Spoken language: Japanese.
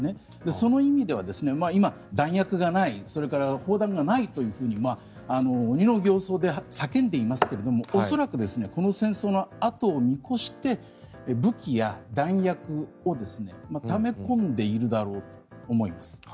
その意味では今、弾薬がないそれから砲弾がないと鬼の形相で叫んでいますが恐らくこの戦争のあとを見越して武器や弾薬をため込んでいるだろうと思います。